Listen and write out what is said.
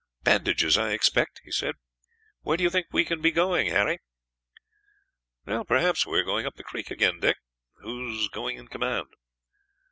"Bandages, I expect," he said. "Where do you think we can be going, Harry?" "Perhaps you are going up the creek again, Dick. Who's going in command?"